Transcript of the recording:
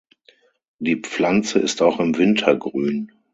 Die Pflanze ist auch im Winter grün.